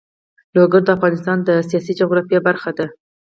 لوگر د افغانستان د سیاسي جغرافیه برخه ده.